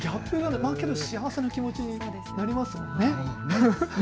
幸せな気持ちになりますよね。